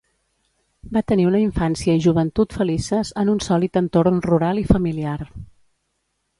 Va tenir una infància i joventut felices en un sòlid entorn rural i familiar.